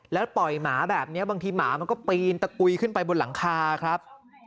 แล้วปล่อยหมาแบบนี้บางทีหมามันก็ปีนตะกุยขึ้นไปบนหลังคาครับ